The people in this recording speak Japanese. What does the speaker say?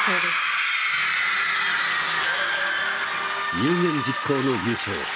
有言実行の優勝。